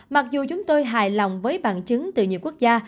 mặc dù chúng tôi hài lòng với bằng chứng từ nhiều quốc gia